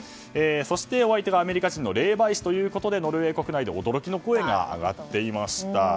そして、お相手がアメリカ人の霊媒師ということでノルウェー国内で驚きの声が上がっていました。